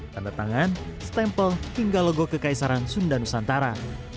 tanda tangan stempel hingga logo kekaisaran sunda nusantara